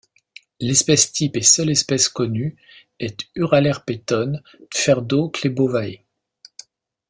L'espèce type et seule espèce connue est Uralerpeton tverdokhlebovae.